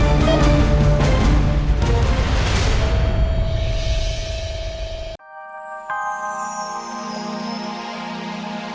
yang kumiliki raid ii